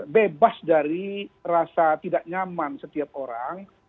bebas dari rasa tidak nyaman setiap orang